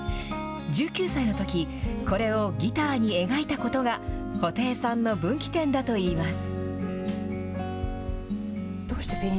１９歳のとき、これをギターに描いたことが、布袋さんの分岐点だといいます。